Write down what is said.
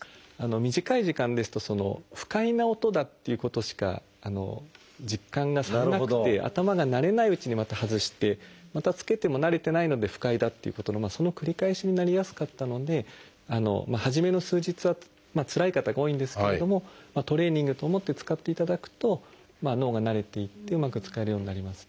短い時間ですと不快な音だっていうことしか実感がされなくて頭が慣れないうちにまた外してまた着けても慣れてないので不快だっていうことのその繰り返しになりやすかったので初めの数日はつらい方が多いんですけれどもトレーニングと思って使っていただくと脳が慣れていってうまく使えるようになりますね。